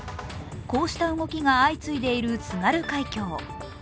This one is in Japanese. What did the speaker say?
こうした動きが相次いでいる津軽海峡。